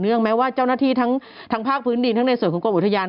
แม้ว่าเจ้าหน้าที่ทั้งภาคพื้นดินทั้งในส่วนของกรมอุทยาน